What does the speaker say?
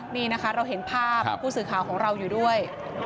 นี่นะคะเราเห็นภาพผู้สื่อข่าวของเราอยู่ด้วย